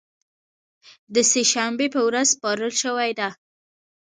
د سې شنبې په ورځ سپارل شوې ده